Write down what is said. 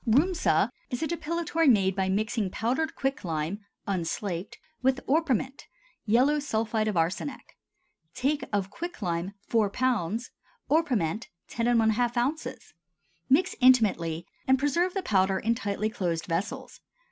RHUSMA is a depilatory made by mixing powdered quicklime (unslaked) with orpiment (yellow sulphide of arsenic). Take of: Quicklime 4 lb. Orpiment 10½ oz. Mix intimately and preserve the powder in tightly closed vessels.